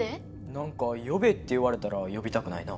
なんかよべって言われたらよびたくないな。